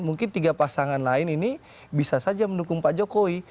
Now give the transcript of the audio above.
mungkin tiga pasangan lain ini bisa saja mendukung pak jokowi